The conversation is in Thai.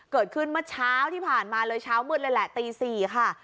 เกิดขึ้นเมื่อเช้าที่ผ่านมาเลยเช้ามืดเลยแหละตี๔ค่ะ